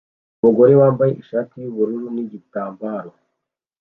Umugore wambaye ishati yubururu nigitambaro